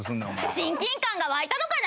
親近感が湧いたのかな？